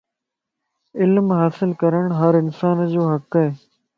علم حاصل ڪرڻ ھر انسان جو حق ائي